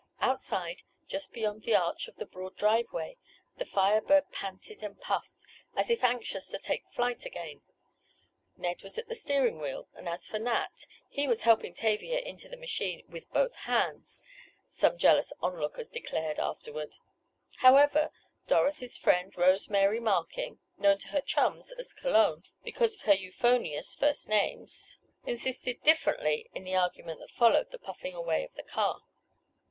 Outside, just beyond the arch in the broad driveway, the Fire Bird panted and puffed, as if anxious to take flight again. Ned was at the steering wheel and as for Nat, he was helping Tavia into the machine "with both hands" some jealous onlookers declared afterward. However Dorothy's friend Rose Mary Markin (known to her chums as Cologne because of her euphonious first names) insisted differently in the argument that followed the puffing away of the car.